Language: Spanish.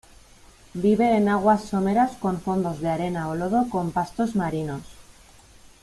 Vive en aguas someras con fondos de arena o lodo con pastos marinos.